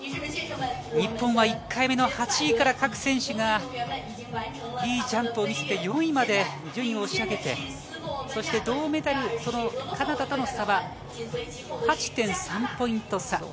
日本は１回目の８位から各選手がいいジャンプを見せて、４位まで順位を押し上げて、銅メダル、カナダとの差は８．３ポイント差。